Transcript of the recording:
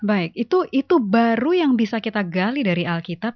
baik itu baru yang bisa kita gali dari alkitab